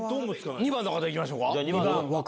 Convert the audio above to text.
２番の方行きましょうか。